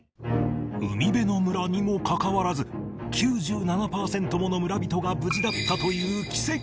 海辺の村にもかかわらず９７パーセントもの村人が無事だったという奇跡の村